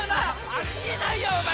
ありえないよお前。